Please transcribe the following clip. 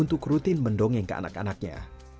untuk mengambil bantuan untuk mendongeng ke anak anaknya